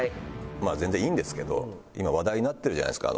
まあ全然いいんですけど今話題になってるじゃないですか。